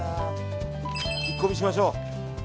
聞き込みしましょう。